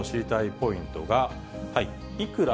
ポイントが、いくら？